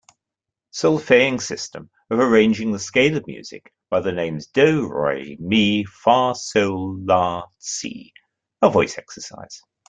Solfaing system of arranging the scale of music by the names do, re, mi, fa, sol, la, si a voice exercise.